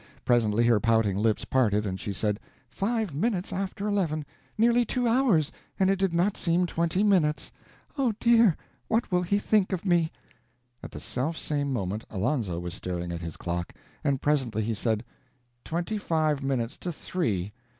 Presently her pouting lips parted, and she said: "Five minutes after eleven! Nearly two hours, and it did not seem twenty minutes! Oh, dear, what will he think of me!" At the self same moment Alonzo was staring at his clock. And presently he said: "Twenty five minutes to three!